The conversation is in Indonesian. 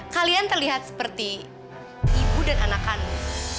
kalian terlihat seperti ibu dan anak kami